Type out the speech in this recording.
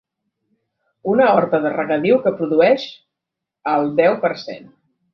Una horta de regadiu que produeix el deu per cent